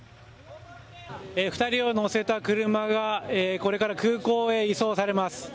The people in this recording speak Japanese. ２人を乗せた車がこれから空港へ移送されます。